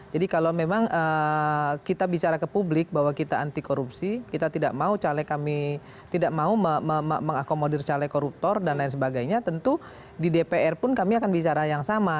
jadi kalau memang kita bicara ke publik bahwa kita anti korupsi kita tidak mau caleg kami tidak mau mengakomodir caleg koruptor dan lain sebagainya tentu di dpr pun kami akan bicara yang sama